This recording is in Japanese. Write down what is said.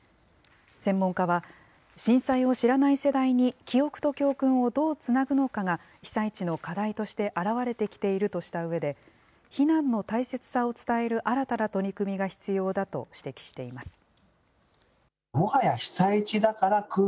専門家は、震災を知らない世代に記憶と教訓をどうつなぐのかが被災地の課題として現れてきているとしたうえで、避難の大切さを伝える新たな取り組みが必要だと指摘しています。